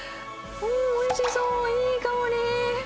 うーん、おいしそう、いい香り。